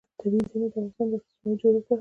طبیعي زیرمې د افغانستان د اجتماعي جوړښت برخه ده.